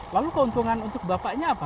lalu keuntungan untuk bapaknya apa